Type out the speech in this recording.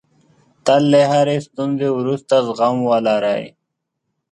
تل له هرې ستونزې وروسته زغم ولرئ.